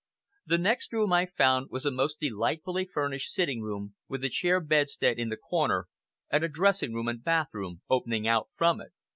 The next room I found was a most delightfully furnished sitting room, with a chair bedstead in the corner, and a dressing room and bathroom opening out from it.